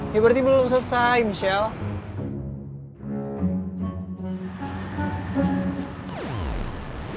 ya berarti belum selesai michelle